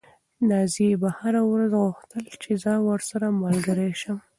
نازيې به هره ورځ غوښتل چې زه ورسره ملګرې شم.